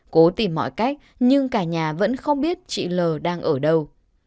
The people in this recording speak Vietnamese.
cố tìm mọi cách nhưng cả nhà vẫn không biết chị l đang ở đâu